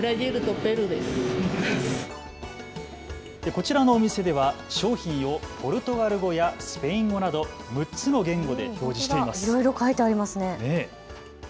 こちらのお店では商品をポルトガル語やスペイン語など６つの言語で表示しています。